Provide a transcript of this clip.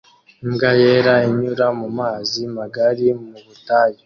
Imbwa yera inyura mu mazi magari mu butayu